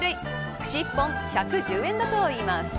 串１本１１０円だといいます。